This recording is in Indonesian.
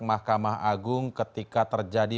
mahkamah agung ketika terjadi